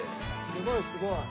すごいすごい。